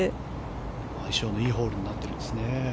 相性のいいホールになっていますね。